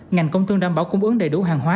ngành công thương đảm bảo cung ứng đầy đủ hàng hóa